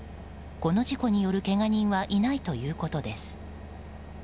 この事故によるけが人はいないということです。